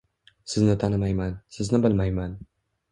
Sizni tanimayman, sizni bilmayman